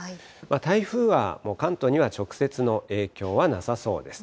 台風は関東には直接の影響はなさそうです。